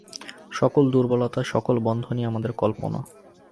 সকল দুর্বলতা, সকল বন্ধনই আমাদের কল্পনা।